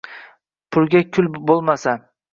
Pulga kul bo'lmasa